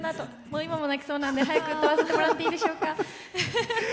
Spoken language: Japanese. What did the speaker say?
今も泣きそうなんで、早く歌わせていただいていいでしょうか。